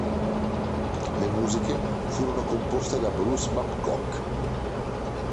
Le musiche furono composte da Bruce Babcock.